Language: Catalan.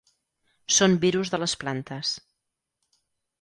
Són virus de les plantes.